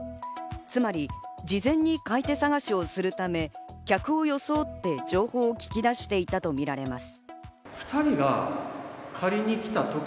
つまり事前に買い手探しをするため、客を装って情報を聞き出していたとみられます。